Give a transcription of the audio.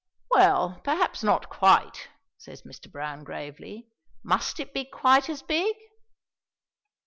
"Well, perhaps not quite," says Mr. Browne gravely. "Must it be quite as big?"